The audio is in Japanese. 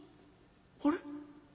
あれ？